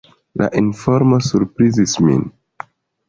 La informo surprizis min.